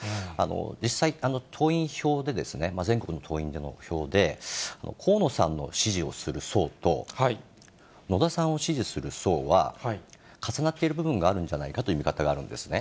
実際、党員票で、全国の党員での票で、河野さんの支持をする層と、野田さんを支持する層は重なっている部分があるんじゃないかという見方があるんですね。